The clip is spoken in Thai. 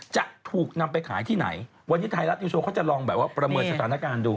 จะถูกนำไปขายที่ไหนวันนี้ไทยรัฐนิวโชว์เขาจะลองแบบว่าประเมินสถานการณ์ดู